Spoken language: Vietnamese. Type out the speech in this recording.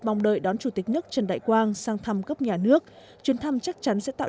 mong đợi đón chủ tịch nước trần đại quang sang thăm cấp nhà nước chuyến thăm chắc chắn sẽ tạo